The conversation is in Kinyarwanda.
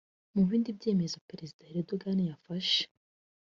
Mu bindi byemezo Perezida Erdogan yafashe